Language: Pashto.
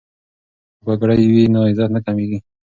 که پګړۍ وي نو عزت نه کمیږي.